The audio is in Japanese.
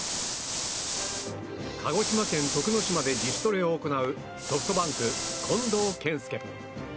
鹿児島県徳之島で自主トレを行うソフトバンク、近藤健介。